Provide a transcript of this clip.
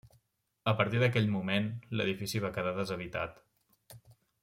A partir d’aquell moment, l’edifici va quedar deshabitat.